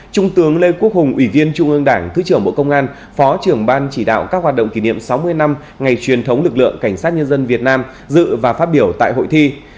trung tướng lê quốc hùng ủy viên trung ương đảng thứ trưởng bộ công an phó trưởng ban chỉ đạo các hoạt động kỷ niệm sáu mươi năm ngày truyền thống lực lượng cảnh sát nhân dân việt nam dự và phát biểu tại hội thi